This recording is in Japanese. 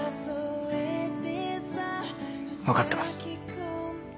分かってます。